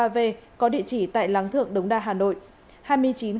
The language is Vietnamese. hai nghìn chín trăm linh ba v có địa chỉ tại láng thượng đống đa hà nội